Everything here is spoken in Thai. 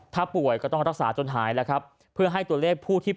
ถ้าป่วยก็ต้องรักษาจนหายแล้วครับเพื่อให้ตัวเลขผู้ที่